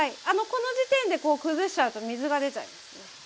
この時点でこう崩しちゃうと水が出ちゃいますね。